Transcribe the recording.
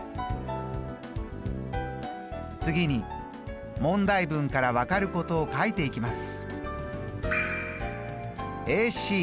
次に問題文から分かることを書いていきます。